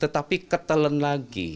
tapi ketelen lagi